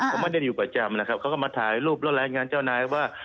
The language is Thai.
เขาไม่ได้อยู่ประจำนะครับเขาก็มาถ่ายรูปแล้วรายงานเจ้านายว่า